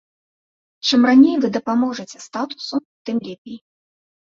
Чым раней вы даможацеся статусу, тым лепей.